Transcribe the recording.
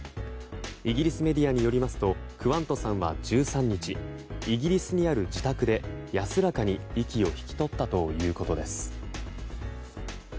イギリスメディアによりますとクワントさんは１３日イギリスにある自宅で安らかに息を引き取ったということです。